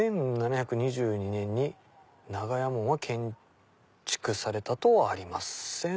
１７２２年に長屋門は建築されたとあります。